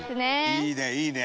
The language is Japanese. いいねいいね！